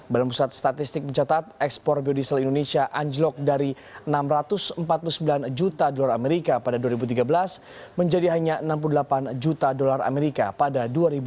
badan pusat statistik mencatat ekspor biodiesel indonesia anjlok dari enam ratus empat puluh sembilan juta dolar amerika pada dua ribu tiga belas menjadi hanya enam puluh delapan juta dolar amerika pada dua ribu dua puluh